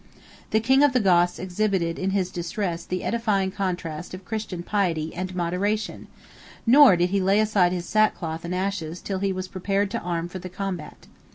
The king of the Goths exhibited in his distress the edifying contrast of Christian piety and moderation; nor did he lay aside his sackcloth and ashes till he was prepared to arm for the combat.